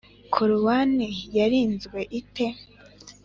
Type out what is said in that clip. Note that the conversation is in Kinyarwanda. korowani yarinzwe ite?